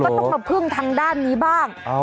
ต้องมาพึ่งทางด้านนี้บ้าง